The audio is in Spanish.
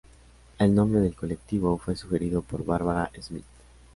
El nombre del colectivo fue sugerido por Barbara Smith.